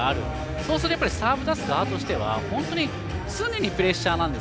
そうすると、やっぱりサーブ出す側としては本当に常にプレッシャーなんです。